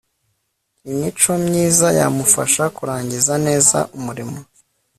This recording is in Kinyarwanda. imico myiza yamufasha kurangiza neza umurimo